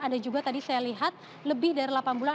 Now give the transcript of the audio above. ada juga tadi saya lihat lebih dari delapan bulan